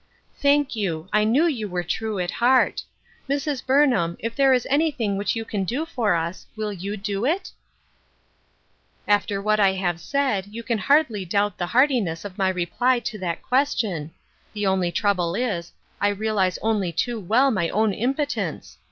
" Thank you. I knew you were true at heart. Mrs. Burnham, if there is anything which you can do for us, will you do it ?"" After what I have said, you can hardly doubt the heartiness of my reply to that question ; the only trouble is, I realize only too well my own im potence.